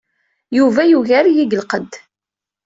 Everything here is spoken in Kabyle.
Yuba yugar-iyi deg lqedd.